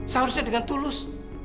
seharusnya dengan tulus